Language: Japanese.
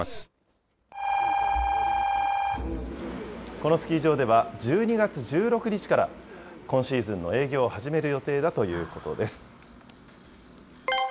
このスキー場では、１２月１６日から、今シーズンの営業を始める予定だということです。